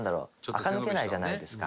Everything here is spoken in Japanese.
あか抜けないじゃないですか。